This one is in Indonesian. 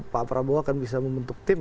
pak prabowo akan bisa membentuk tim